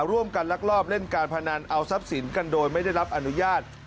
ลักลอบเล่นการพนันเอาทรัพย์สินกันโดยไม่ได้รับอนุญาต